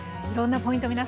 いろんなポイント